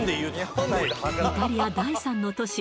イタリア第３の都市